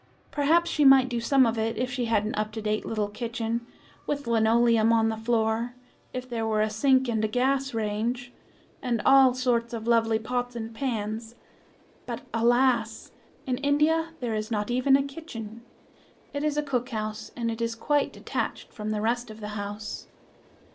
Perhaps she might do some of it if she had an up to date little kitchen, with linoleum on the floor, if there were a sink and a gas range, and all sorts of lovely pots and pans, but alas! in India there is not even a kitchen. It is a cook house, and is quite detached from the rest of the house.